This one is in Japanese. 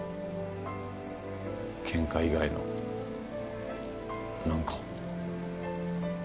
ケンカ以外の何かを。